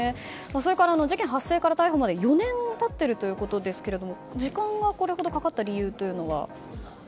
それから事件発生から逮捕まで４年経ってるということですけども時間がこれほどかかった理由は？